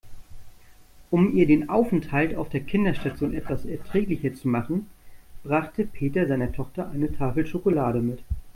Um ihr den Aufenthalt auf der Kinderstation etwas erträglicher zu machen, brachte Peter seiner Tochter eine Tafel Schokolade mit.